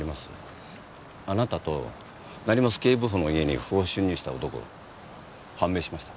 あなたと成増警部補の家に不法侵入した男判明しました。